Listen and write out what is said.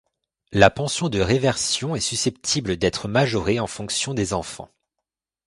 La pension de réversion est susceptible d’être majorée en fonction des enfants.